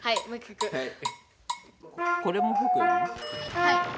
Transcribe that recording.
はい！